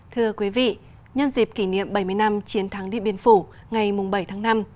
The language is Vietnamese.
thưa quý vị nhân dịp kỷ niệm bảy mươi năm chiến thắng điện biên phủ ngày bảy tháng năm